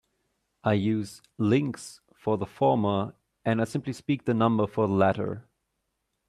I use "links" for the former and I simply speak the number for the latter.